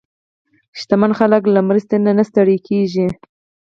شتمن خلک له مرستې نه ستړي نه کېږي.